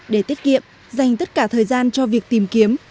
để tiết kiệm dành tất cả thời gian cho việc tìm kiếm